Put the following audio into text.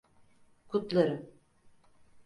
Kutlarım.